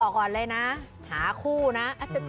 ก่อนเลยนะหาคู่นะ